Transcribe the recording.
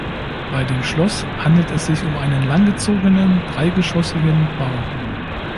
Bei dem Schloss handelt es sich um einen langgezogenen dreigeschossigen Bau.